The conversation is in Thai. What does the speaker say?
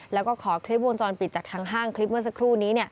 แล้วก็ขอคลิปวงจรปิดจากทางห้างคลิปเมื่อสักครู่นี้